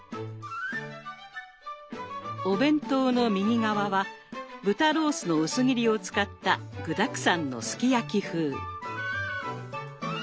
お弁当の右側は豚ロースの薄切りを使った具だくさんのすき焼き風。